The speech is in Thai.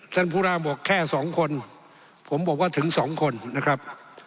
ท่านภูราบอกแค่๒คนผมบอกว่าถึง๒คนนะครับ